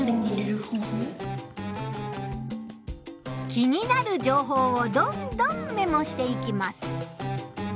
気になる情報をどんどんメモしていきます。